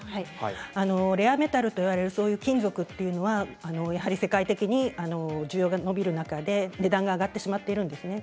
レアメタルと呼ばれる金属というのはやはり世界的に需要が伸びる中で値段が上がってしまっているんですね。